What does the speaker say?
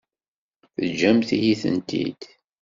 Teǧǧamt-iyi-tent-id.